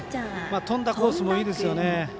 飛んだコースもいいですよね。